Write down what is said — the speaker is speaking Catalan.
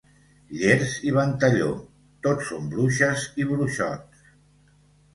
Llers i Ventalló, tot són bruixes i bruixots.